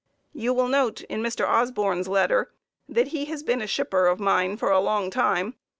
You will note by Mr. Osborn's letter that he has been a shipper of mine for a long time.